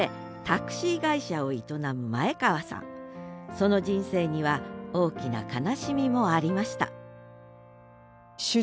その人生には大きな悲しみもありました